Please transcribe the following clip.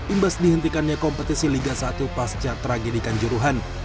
imbas dihentikannya kompetisi liga satu pasca tragedikan juruhan